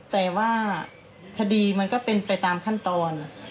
แต่ว่าคดีมันก็เป็นไปตามขั้นตอน